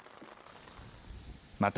また、